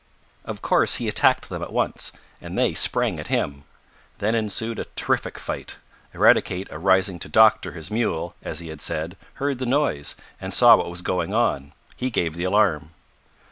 Of course he attacked them at once, and they sprang at him. Then ensued a terrific fight. Eradicate, arising to doctor his mule, as he had said, heard the noise, and saw what was going on. He gave the alarm.